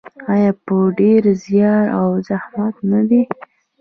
آیا په ډیر زیار او زحمت نه دی؟